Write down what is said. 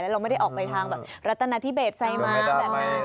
เราไม่ได้ออกไปทางรัฐนาธิเบสไซม้าแบบนั้น